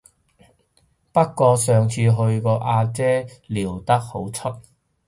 不過上次去個阿姐撩得好出